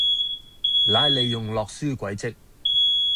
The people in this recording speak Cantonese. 乃利用洛書軌跡